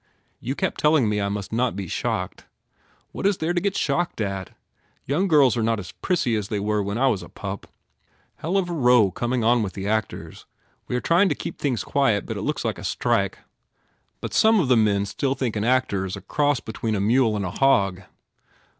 You kept telling me I must not be shocked. What is there to get shocked at? Young girls are not as prissy as they were when I was a pup. Hell of a row com ing on with the actors. We are trying to keep things quiet but it looks like a strike. But some of the men still think an actor is a cross between a mule and a hog.